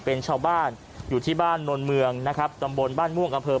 เป็นชาวบ้านอยู่ที่บ้านนท์มืองซ์นะครับจำบลบ้านมุ่งอำเผิร์น